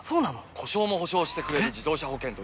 故障も補償してくれる自動車保険といえば？